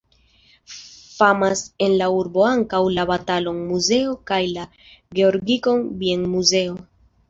Famas en la urbo ankaŭ la Balaton-muzeo kaj la Georgikon-bienmuzeo.